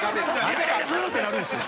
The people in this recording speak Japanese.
イライラするってなるんですよ。